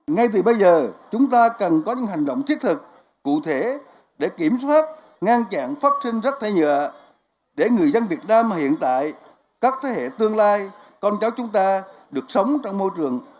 ngay từ bây giờ chúng ta cần có những hành động thiết thực cụ thể để kiểm soát ngăn chặn phát sinh rắc thải nhựa để người dân việt nam hiện tại các thế hệ tương lai con cháu chúng ta được sống trong môi trường